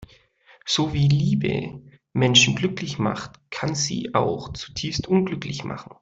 So wie Liebe Menschen glücklich macht, kann sie sie auch zutiefst unglücklich machen.